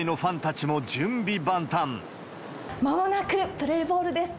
まもなくプレーボールです。